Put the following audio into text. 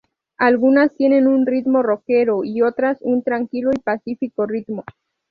Algunas tienen un ritmo roquero y otras un tranquilo y pacífico ritmo.